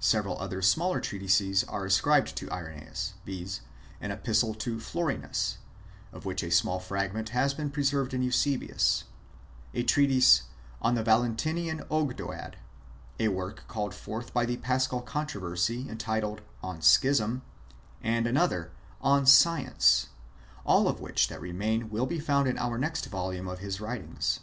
Several other smaller treatises are ascribed to Irenasus; viz. An Epistle to Florinus, of which a small fragment has been preserved by Eusebius ; a treatise On the Valentinian Ogdoad; a work called forth by the paschal controversy, entitled On Schism, and another On Science ; all of which that remain will be found in our next volume of his writings.